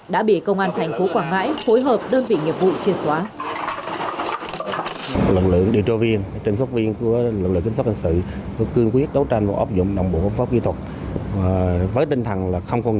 đã bị công an thành phố quảng ngãi phối hợp